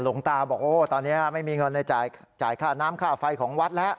หลวงตาบอกโอ้ตอนนี้ไม่มีเงินในจ่ายค่าน้ำค่าไฟของวัดแล้ว